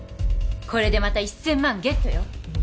これでまた１，０００万ゲットよ。